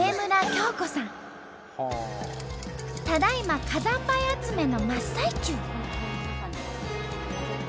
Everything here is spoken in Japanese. ただいま火山灰集めの真っ最中！